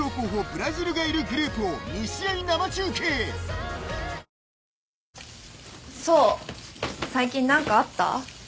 想最近何かあった？